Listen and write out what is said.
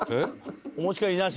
お持ち帰りなし？